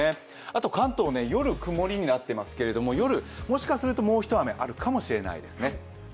あと、関東は夜、曇りになってますけど、もしかするともう一雨あるかもしれないですね。